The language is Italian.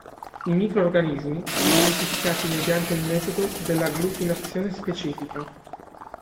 I microorganismi sono identificati mediante il metodo dell'agglutinazione specifica.